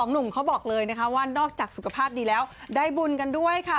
หนุ่มเขาบอกเลยนะคะว่านอกจากสุขภาพดีแล้วได้บุญกันด้วยค่ะ